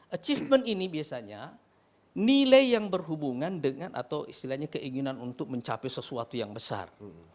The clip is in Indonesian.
achievement ini biasanya nilai yang berhubungan dengan atau istilahnya keinginan untuk mencapai sesuatu yang besar